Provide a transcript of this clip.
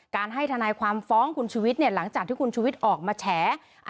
ให้ทนายความฟ้องคุณชุวิตหลังจากที่คุณชุวิตออกมาแฉ